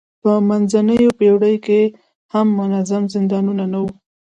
په منځنیو پېړیو کې هم منظم زندانونه نه وو.